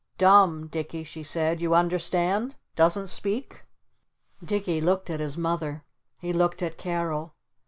"'Dumb,' Dicky," she said. "You understand? Doesn't speak?" Dicky looked at his Mother. He looked at Carol.